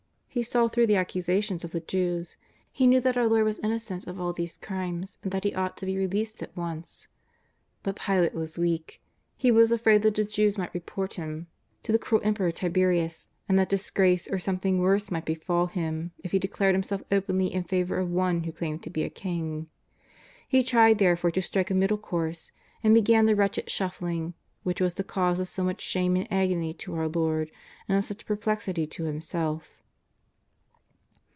He saw through the ac cusations of the Jews. He knew that our Lord was innocent of all these crimes, and that He ought to be released at once. But Pilate was weak. He was afraid that the Jews might report him to the cruel JESUS OF ]n:azareth. 349 Emperor Tiberias^ and that disgrace, or sometliing worse, might befall him if he declared himself openly in favour of One who claimed to be a King. He tried therefore to strike a middle course, and began the wretched shufflinof, w^hich was the cause of so much shame and agony to our Lord and of such perplexity to himself.